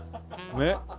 ねっ？